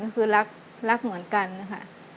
ก็คือรักเหมือนกันค่ะ